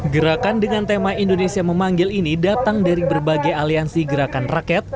gerakan dengan tema indonesia memanggil ini datang dari berbagai aliansi gerakan rakyat